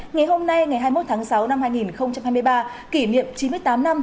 ngày hôm nay ngày hai mươi một tháng sáu năm hai nghìn hai mươi ba kỷ niệm chín mươi tám năm